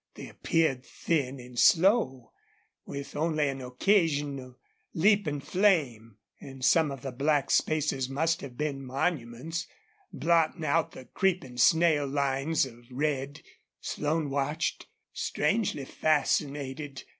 They appeared thin and slow, with only an occasional leaping flame. And some of the black spaces must have been monuments, blotting out the creeping snail lines of red. Slone watched, strangely fascinated.